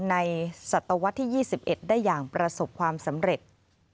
ศตวรรษที่๒๑ได้อย่างประสบความสำเร็จ